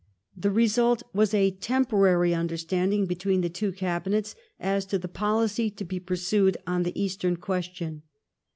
The residt was a temporary understanding between the two cabinets as to the policy to be pursued on the Eastern question.